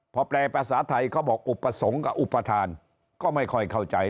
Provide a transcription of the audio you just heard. พอแปลภาษาไทยเขาบอกอุปสรรคกับอุปทานก็ไม่ค่อยเข้าใจ